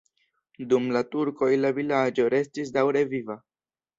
Dum la turkoj la vilaĝo restis daŭre viva.